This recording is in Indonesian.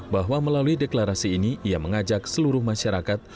bahwa melalui deklarasi ini ia mengajak seluruh masyarakat